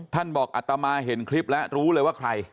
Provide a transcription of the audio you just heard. ท่านบอกอัตมาเห็นคลิปแล้วรู้เลยว่าใคร